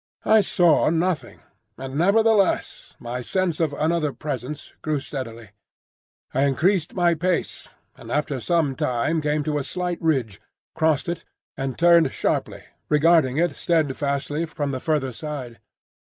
I saw nothing, and nevertheless my sense of another presence grew steadily. I increased my pace, and after some time came to a slight ridge, crossed it, and turned sharply, regarding it steadfastly from the further side.